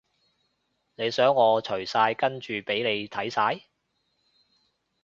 你想我除晒跟住畀你睇晒？